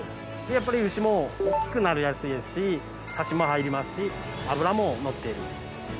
やっぱり牛も大きくなりやすいですしサシも入りますし脂ものっている。